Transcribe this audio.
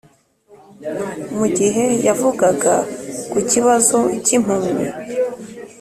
mu gihe yavugaga ku kibazo cy'impunzi,